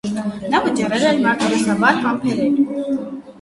Նա վճռել էր մարտիրոսաբար համբերել: